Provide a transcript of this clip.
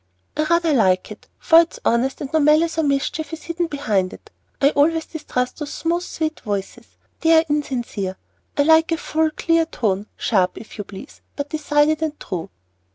"I rather like it, for it is honest, and no malice or mischief is hidden behind it. I always distrust those smooth, sweet voices; they are insincere. I like a full, clear tone; sharp, if you please, but decided and true."